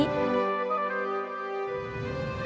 nanti saya akan ke rumah setiap hari